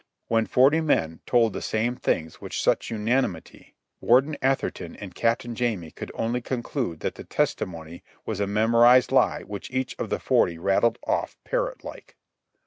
When forty men told the same things with such unanimity, Warden Atherton and Captain Jamie could only conclude that the testimony was a memorized lie which each of the forty rattled off parrot like.